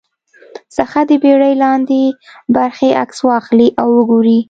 څخه د بېړۍ لاندې برخې عکس واخلي او وګوري